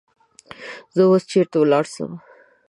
زه اوس چیری ولاړسم؟